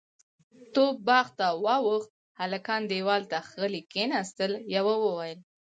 توپ باغ ته واوښت، هلکان دېوال ته غلي کېناستل، يوه وويل: